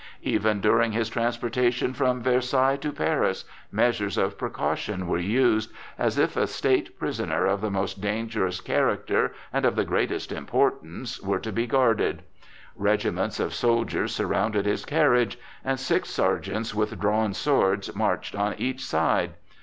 Even during his transportation from Versailles to Paris measures of precaution were used, as if a state prisoner of the most dangerous character and of the greatest importance were to be guarded. Regiments of soldiers surrounded his carriage, and six sergeants with drawn swords marched on each side.